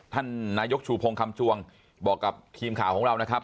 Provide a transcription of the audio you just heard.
ท่านนายกชูพงศ์คำชวงบอกกับทีมข่าวของเรานะครับ